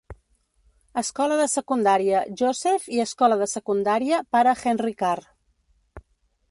Escola de secundària Joseph i Escola de secundària Pare Henry Carr.